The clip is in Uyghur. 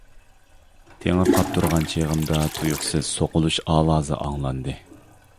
تېڭىرقاپ تۇرغان چېغىمدا تۇيۇقسىز سوقۇلۇش ئاۋازى ئاڭلاندى.